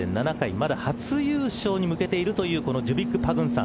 また初優勝に向けているというジュビック・パグンサン。